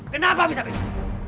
kenapa bisa beres